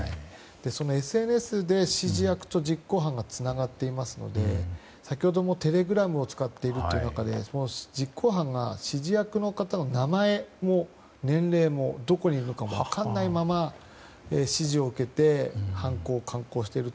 そのＳＮＳで指示役と実行犯がつながっていますので先ほどもテレグラムを使っているという中で実行犯が指示役の方の名前も年齢もどこにいるのかも分からないまま指示を受けて犯行を敢行していると。